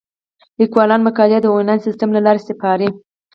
لیکوالان مقالې د انلاین سیستم له لارې سپاري.